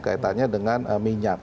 kaitannya dengan minyak